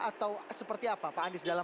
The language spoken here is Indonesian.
atau seperti apa pak andis dalam